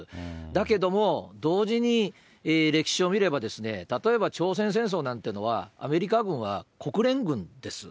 だけども、同時に、歴史を見れば、例えば朝鮮戦争なんていうのは、アメリカ軍は国連軍です。